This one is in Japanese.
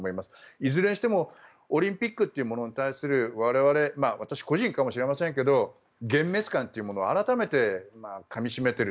いずれにしてもオリンピックというものに対する我々、私個人かもしれませんけど幻滅感というものを改めてかみ締めている。